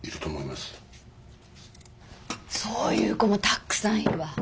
そういう子もたっくさんいるわ。